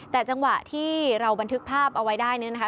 แต่จังหวะที่เราบันทึกภาพเอาไว้ได้เนี่ยนะคะ